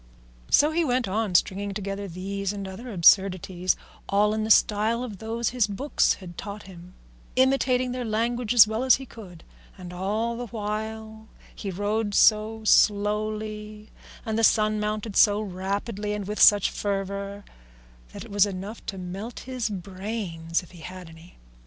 So he went on stringing together these and other absurdities, all in the style of those his books had taught him, imitating their language as well as he could; and all the while he rode so slowly and the sun mounted so rapidly and with such fervour that it was enough to melt his brains if he had any.